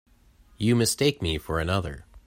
You mistake me for another.